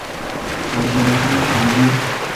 主席为张曾基。